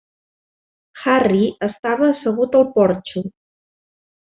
Harry estava assegut al porxo.